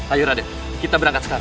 ayo raden kita berangkat sekarang